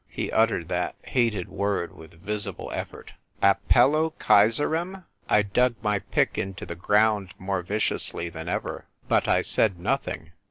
He uttered that hated word with visible effort. Appello Caesarem ! 1 dug my pick into the ground more viciously than ever. Uut I said nothing.